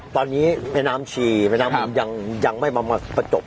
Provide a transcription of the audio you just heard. ตอนนี้แม่น้ำชีแม่น้ำมินยังไม่มาประจบ